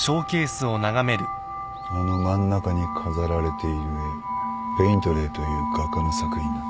あの真ん中に飾られている絵ペイントレーという画家の作品だ。